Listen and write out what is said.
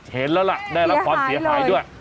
เห็นแล้วล่ะได้รับความเสียหายด้วย